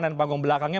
dan panggung belakangnya